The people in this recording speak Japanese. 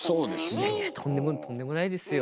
いやいやとんでもないとんでもないですよ